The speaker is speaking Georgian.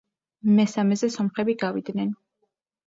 მესამეზე სომხები გავიდნენ.